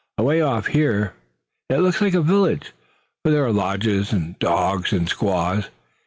Away off here it looks like a village, for there are lodges and dogs and squaws.